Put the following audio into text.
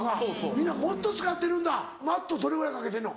皆もっと使ってるんだＭａｔｔどれぐらいかけてんの？